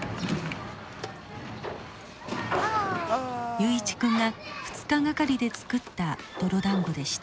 雄一君が２日がかりで作った泥だんごでした。